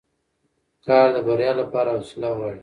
کار د بریا لپاره حوصله غواړي